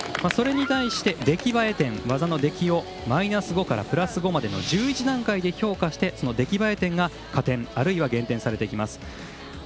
それに対して、出来栄え点技の出来をマイナス５からプラス５までの１１段階で評価してその出来栄え点が加点あるいは減点されます。